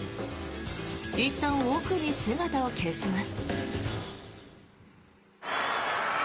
いったん奥に姿を消します。